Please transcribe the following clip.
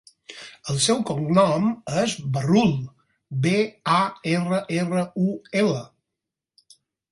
El seu cognom és Barrul: be, a, erra, erra, u, ela.